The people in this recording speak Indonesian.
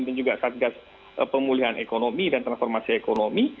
dan juga satgas pemulihan ekonomi dan transformasi ekonomi